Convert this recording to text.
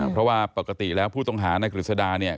เพราะว่าปกติแล้วผู้ต้องหาในกฤษดาเนี่ย